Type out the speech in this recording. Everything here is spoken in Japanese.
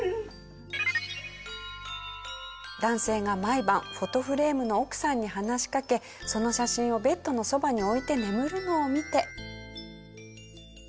男性が毎晩フォトフレームの奥さんに話しかけその写真をベッドのそばに置いて眠るのを見て。